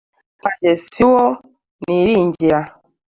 umuheto wanjye si wo niringiraga